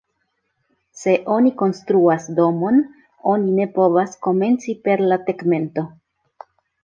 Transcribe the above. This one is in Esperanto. Se oni konstruas domon, oni ne povas komenci per la tegmento.